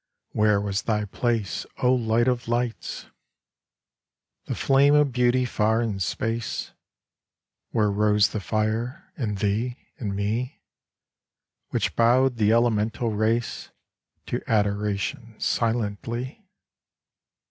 Where was Thy place, O Light of Lights ? The flame of Beauty far in space Where rose the fire : in Thee ? in Me ? Which bowed the elemental race To adoration silently